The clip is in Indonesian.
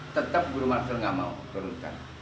tetap guru mansur enggak mau turunkan